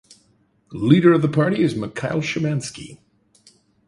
Leader of the party is Mikhail Shimansky.